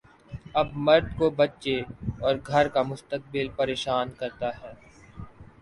اب مرد کو بچے اور گھر کا مستقبل پریشان کرتا ہے۔